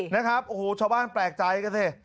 นะครับโอ้โหชาวบ้านแปลกใจกันสิ